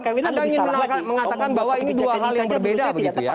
anda ingin mengatakan bahwa ini dua hal yang berbeda begitu ya